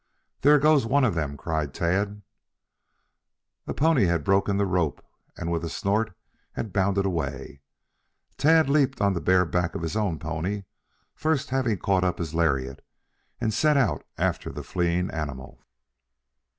"There goes one of them!" cried Tad. A pony had broken the rope and with a snort, had bounded away. Tad, leaped on the bare back of his own pony, first having caught up his lariat, and set out after the fleeing animal.